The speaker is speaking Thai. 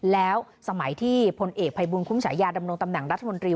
แล้วสมัยที่พลเอกภัยบุญคุ้มฉายาดำรงตำแหน่งรัฐมนตรี